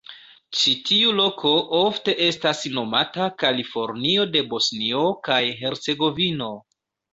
Ĉi tiu loko ofte estas nomata "Kalifornio de Bosnio kaj Hercegovino".